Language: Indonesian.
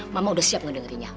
mama udah siap ngedengerinnya